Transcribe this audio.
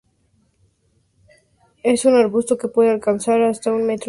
Es un arbusto que puede alcanzar hasta un metro de altura.